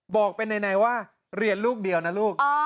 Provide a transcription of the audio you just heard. บอกเป็นในว่าเรียนลูกเดียวนะลูก